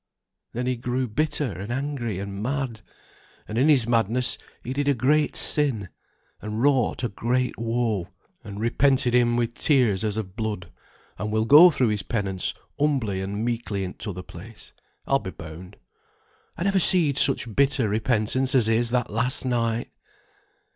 Then he grew bitter, and angry, and mad; and in his madness he did a great sin, and wrought a great woe; and repented him with tears as of blood; and will go through his penance humbly and meekly in t'other place, I'll be bound. I never seed such bitter repentance as his that last night."